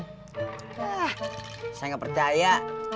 ah saya enggak percaya